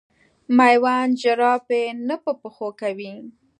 مېوند جراپي نه په پښو کوي.